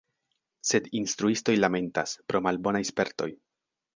Sed instruistoj lamentas, pro malbonaj spertoj.